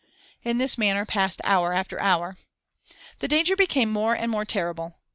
In this manner hour passed after hour. The danger became more and more terrible.